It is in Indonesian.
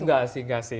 enggak sih enggak sih